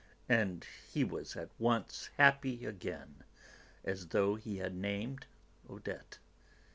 (and he was at once happy again, as though he had named Odette).